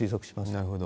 なるほど。